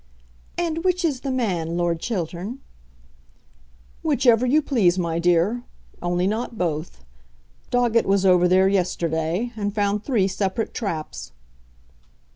"And which is the man, Lord Chiltern?" "Whichever you please, my dear; only not both. Doggett was over there yesterday, and found three separate traps."